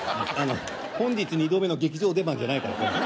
本日２度目の劇場出番じゃないからこれ。